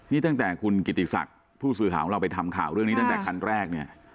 นี่ตั้งแต่คุณกิติศักดิ์ผู้สื่อข่าวของเราไปทำข่าวเรื่องนี้ตั้งแต่คันแรกเนี่ย